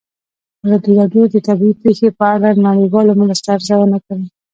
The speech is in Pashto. ازادي راډیو د طبیعي پېښې په اړه د نړیوالو مرستو ارزونه کړې.